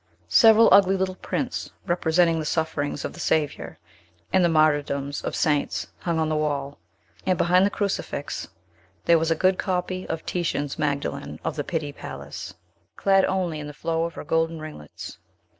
Several ugly little prints, representing the sufferings of the Saviour, and the martyrdoms of saints, hung on the wall; and behind the crucifix there was a good copy of Titian's Magdalen of the Pitti Palace, clad only in the flow of her golden ringlets.